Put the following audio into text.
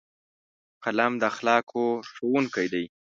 قلم د اخلاقو ښوونکی دی